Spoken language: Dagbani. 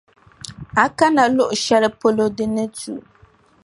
A kana luɣʼ shɛli polo di ni tu.